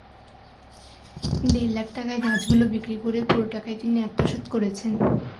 দেড় লাখ টাকায় গাছগুলো বিক্রি করে পুরো টাকাই তিনি আত্মসাৎ করেছেন।